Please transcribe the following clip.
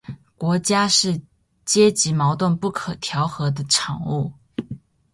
国家是阶级矛盾不可调和的产物